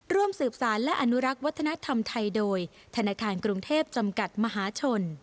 ร่วมสืบสารและอนุรักษ์วัฒนธรรมไทยโดยธนาคารกรุงเทพจำกัดมหาชน